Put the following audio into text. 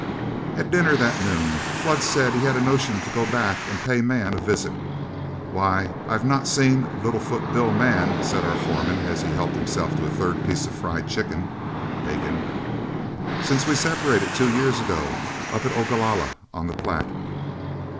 At dinner that noon, Flood said he had a notion to go back and pay Mann a visit. "Why, I've not seen 'Little foot' Bill Mann," said our foreman, as he helped himself to a third piece of "fried chicken" (bacon), "since we separated two years ago up at Ogalalla on the Platte.